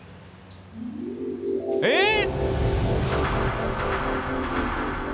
えっ！